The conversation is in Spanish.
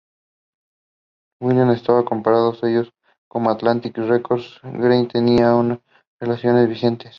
Wilson, estaban comprando sellos como Atlantic Records, donde Green tenía una relación vigente.